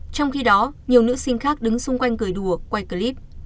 trong khi đó nhiều nữ sinh khác đứng xung quanh cười đùa quay clip